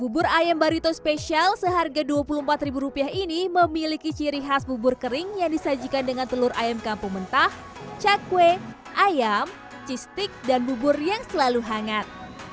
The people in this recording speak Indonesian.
bubur ayam barito spesial seharga dua puluh empat ini memiliki ciri khas bubur kering yang disajikan dengan telur ayam kampung mentah cakwe ayam cistik dan bubur yang selalu hangat